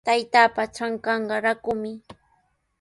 Taytaapa trankanqa rakumi.